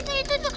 itu itu itu